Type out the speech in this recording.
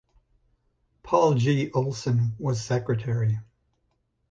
Paul G. Olsen was Secretary.